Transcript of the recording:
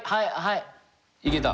いけた？